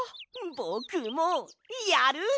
ぼくもやる！